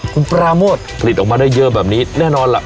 คุณปราโมทผลิตออกมาได้เยอะแบบนี้แน่นอนล่ะ